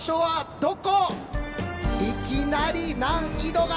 どこ？